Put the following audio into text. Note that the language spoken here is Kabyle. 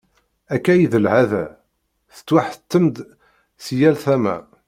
Akka i d lεada, tettwaḥettem-d si yal tama.